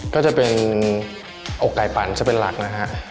ก็จะเป็นอกไก่ปั่นจะเป็นหลักนะฮะ